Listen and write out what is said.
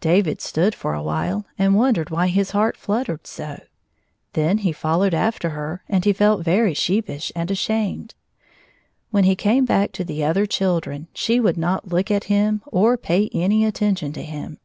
David stood for a while and wondered why his heart fluttered so. Then he followed after her, and he felt very sheepish and ashamed. When he came back to the other children she would not look at him or pay any attention to him.